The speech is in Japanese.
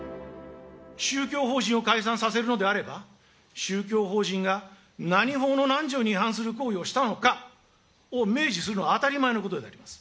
宗教法人を解散させるのであれば、宗教法人が何法の何条に違反する行為をしたのかを明示するのは当たり前のことであります。